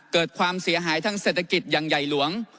เกิดความเสียหายทางเศรษฐกิจอย่างใหญ่หลวง